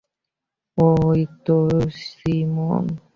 ওই তো সিমোন।